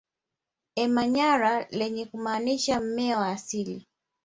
Emanyara lenye kumaanisha mmea wa asili